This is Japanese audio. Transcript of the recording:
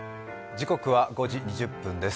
時刻は５時２０分です。